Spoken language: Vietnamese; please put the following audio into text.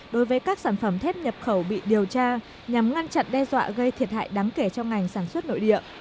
đối với các sản phẩm thép nhập khẩu bị điều tra nhằm ngăn chặn đe dọa gây thiệt hại đáng kể cho ngành sản xuất nội địa